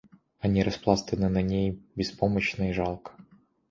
Они распластаны на ней беспомощно и жалко.